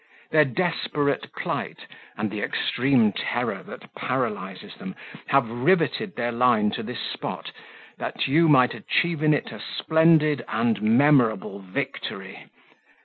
Their desperate plight, and the extreme terror that paralyses them, have rivetted their line to this spot, that you might achieve in it a splendid and memorable victory.